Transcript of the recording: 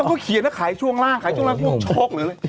ก็เขียนแล้วขายช่วงล่างขายช่วงล่างคือโชคหรือ